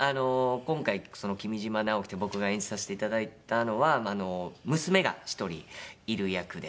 今回君嶋直樹って僕が演じさせていただいたのは娘が１人いる役で。